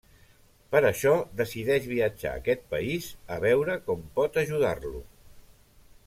Per això decideix viatjar a aquest país a veure com pot ajudar-lo.